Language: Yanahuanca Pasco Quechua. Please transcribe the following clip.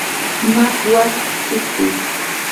makwa shukuy.